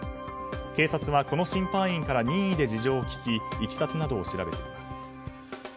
警察は、この審判員から任意で事情を聴きいきさつなどを調べています。